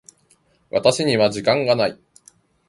私には時間がない。